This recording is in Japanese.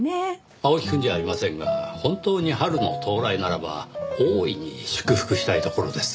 青木くんじゃありませんが本当に春の到来ならば大いに祝福したいところです。